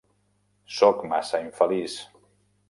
Sóc massa infeliç.